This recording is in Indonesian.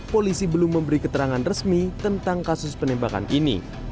polisi belum memberi keterangan resmi tentang kasus penembakan ini